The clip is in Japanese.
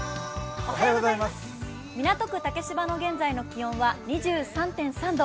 港区竹芝の現在の気温は２３．３度。